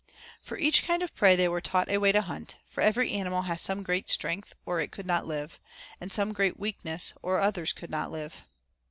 For each kind of prey they were taught a way to hunt, for every animal has some great strength or it could not live, and some great weakness or the others could not live.